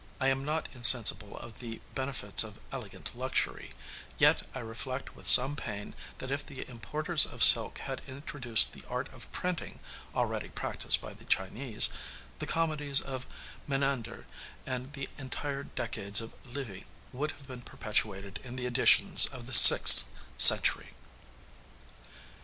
I am not insensible of the benefits of elegant luxury; yet I reflect with some pain that if the importers of silk had introduced the art of printing, already practiced by the Chinese, the comedies of Menander and the entire decades of Livy would have been perpetuated in the editions of the sixth century.